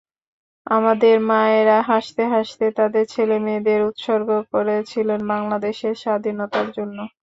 আমাদের মায়েরা হাসতে হাসতে তাঁদের ছেলেমেয়েদের উৎসর্গ করে ছিলেন বাংলাদেশের স্বাধীনতার জন্য।